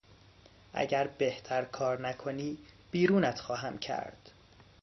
اگر بهتر کار نکنی بیرونت خواهم کرد!